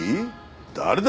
誰だ？